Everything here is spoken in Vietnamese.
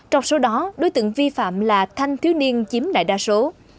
trong số đó đối tượng vi phạm là thanh thiếu niên chiếm đại đa số